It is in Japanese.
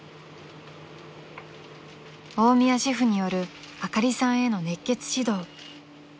［大宮シェフによるあかりさんへの熱血指導］